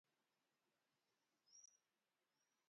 Ha aparegut a la ràdio?